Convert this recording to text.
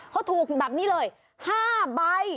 เขาถูกแบบนี้เลย๕ใบ